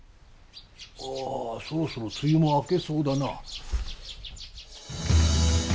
ああそろそろ梅雨も明けそうだな。